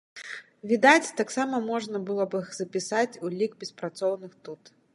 Відаць, таксама можна было б іх запісаць у лік беспрацоўных тут.